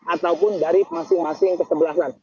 ataupun dari masing masing kesebelasan